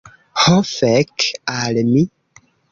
Ho, fek' al mi